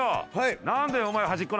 何でお前端っこなんだ？